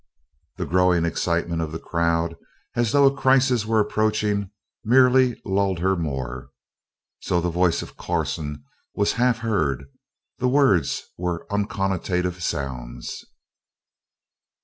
The growing excitement of the crowd, as though a crisis were approaching, merely lulled her more. So the voice of Corson was half heard; the words were unconnotative sounds.